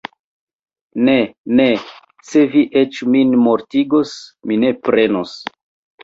Ne, ne, se vi eĉ min mortigos, mi ne prenos!